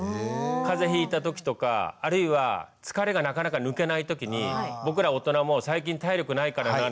風邪ひいた時とかあるいは疲れがなかなか抜けない時に僕ら大人も「最近体力ないからなぁ」なんて言うと思うんですよね。